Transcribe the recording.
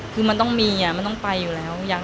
คือมันต้องมีมันต้องไปอยู่แล้ว